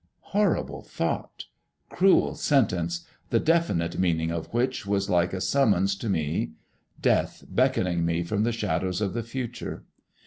Horrible thought! Cruel sentence, the definite meaning of which was like a summons to me, death beckoning me from the shadows of the future.